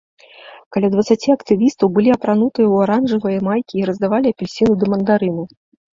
Каля дваццаці актывістаў былі апранутыя ў аранжавыя майкі і раздавалі апельсіны ды мандарыны.